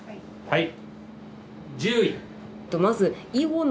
はい。